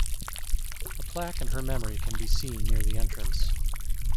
A plaque in her memory can be seen near the entrance.